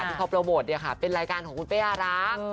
ที่เขาโปรโมทเนี่ยค่ะเป็นรายการของคุณเป้อารักษ์